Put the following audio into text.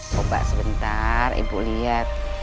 coba sebentar ibu lihat